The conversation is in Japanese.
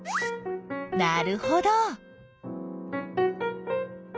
なるほど。